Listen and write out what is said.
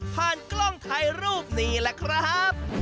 ผ่านกล้องทัยรูปนี้แหละครับ